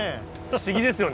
不思議ですよね。